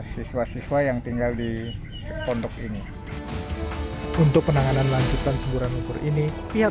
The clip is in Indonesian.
siswa siswa yang tinggal di pondok ini untuk penanganan lanjutan semburan ukur ini pihak